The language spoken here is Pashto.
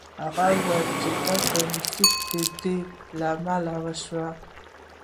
هغه وویل چې دا پالیسۍ د دې لامل شوې